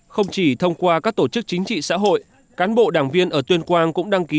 không chỉ thông qua các tổ chức chính trị xã hội cán bộ đảng viên ở tuyên quang cũng đăng ký